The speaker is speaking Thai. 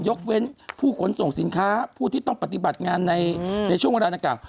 ยกเว้นผู้ขนส่งสินค้าผู้ที่ต้องปฏิบัติงานในช่วงเวลาดังกล่าว